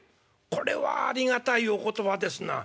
これはありがたいお言葉ですな。